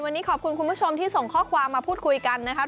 วันนี้ขอบคุณคุณผู้ชมที่ส่งข้อความมาพูดคุยกันนะครับ